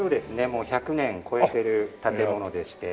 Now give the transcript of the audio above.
もう１００年超えている建物でして。